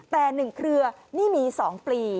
แต่๑เครือนี่มี๒ปลี